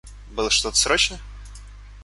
Было что-то срочное?